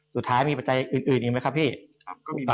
สุดท้ายมีปัจจัยอื่นอีกไหมครับพี่